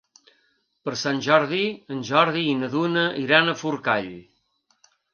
Per Sant Jordi en Jordi i na Duna iran a Forcall.